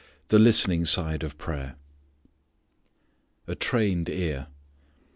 The Listening Side of Prayer A Trained Ear.